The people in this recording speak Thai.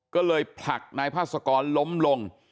ก็เลยผลักนายพาสกรล้มลง